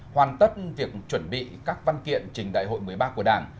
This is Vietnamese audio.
hoàn tất việc chuẩn bị các văn kiện trình đại hội một mươi ba của đảng